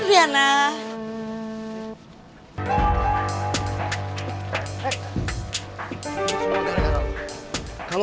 hey ini semua gara gara lu